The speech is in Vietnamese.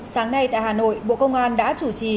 sáng nay tại hà nội bộ công an đã chủ trì